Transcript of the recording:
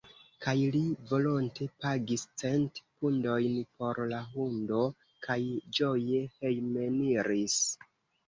Kaj li volonte pagis cent pundojn por la hundo, kaj ĝoje hejmeniris.